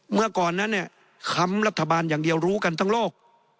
เมื่อก่อนนั้นเนี่ยคำรัฐบาลอย่างเดียวรู้กันทั้งโลก